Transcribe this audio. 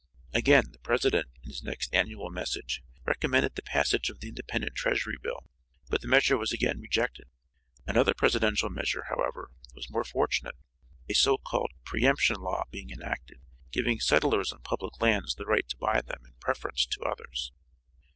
Again the President in his next annual message recommended the passage of the independent treasury bill, but the measure was again rejected. Another presidential measure, however, was more fortunate, a so called pre emption law being enacted, giving settlers on public lands the right to buy them in preference to others.